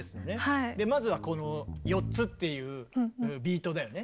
まずはこの４つっていうビートだよね。